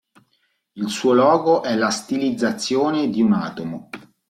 Il suo logo è la stilizzazione di un atomo.